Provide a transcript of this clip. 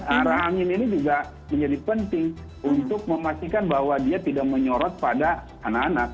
arah angin ini juga menjadi penting untuk memastikan bahwa dia tidak menyorot pada anak anak